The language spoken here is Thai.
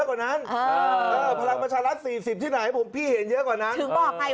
กว่านั้นพลังประชารัฐ๔๐ที่ไหนผมพี่เห็นเยอะกว่านั้นถึงบอกไง